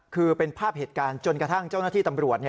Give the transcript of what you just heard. คือเป็นภาพเหตุการณ์จนกระทั่งเจ้าหน้าที่ตำรวจ